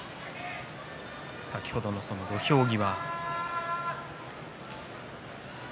先ほどの土俵際。